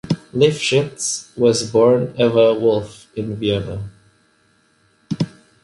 Lifshitz was born Eva Wolf in Vienna.